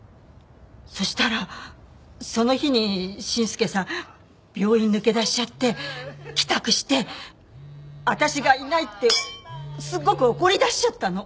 そしたらその日に伸介さん病院抜け出しちゃって帰宅して私がいないってすごく怒りだしちゃったの。